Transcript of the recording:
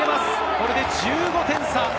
これで１５点差。